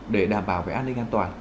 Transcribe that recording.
để đảm bảo về an ninh an toàn